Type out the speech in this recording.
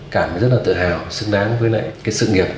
cảm thấy rất tự hào xứng đáng với sự nghiệp